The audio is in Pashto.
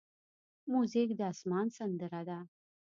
موزیک د آسمان سندره ده.